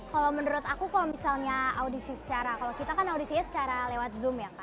kalau menurut aku kalau misalnya audisi secara kalau kita kan audisinya secara lewat zoom ya kak